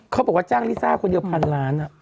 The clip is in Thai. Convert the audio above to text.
บอกว่าจ้างลิซ่าคนเดียวพันล้าน